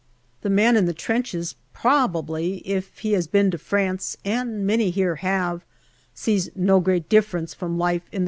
The man in the trenches, probably, if he has been to France, and many here have, sees no great difference from life in the.